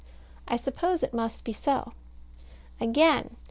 I suppose it must be so. Again.